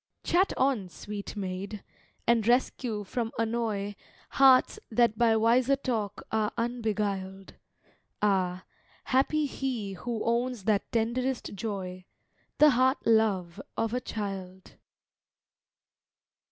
Chat on, sweet Maid, and rescue from annoy Hearts that by wiser talk are unbeguiled; Ah, happy he who owns that tenderest joy, The heart love of a child!